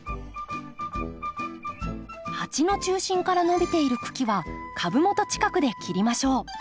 鉢の中心から伸びている茎は株元近くで切りましょう。